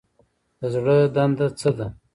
د زړه دنده څه ده؟